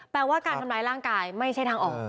แปลว่าการทำร้ายร่างกายไม่ใช่ทางออก